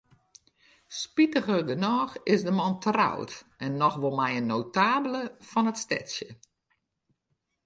Spitigernôch is de man troud, en noch wol mei in notabele fan it stedsje.